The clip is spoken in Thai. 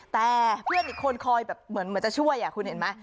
แต่เพื่อนอีกคนคอยแบบเหมือนจะช่วยคุณเห็นไหม